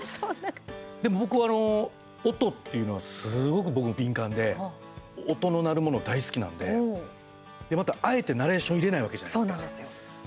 でも、僕は音っていうのはすごく僕、敏感で音の鳴るもの大好きなのでで、また、あえて、ナレーションそうなんですよ。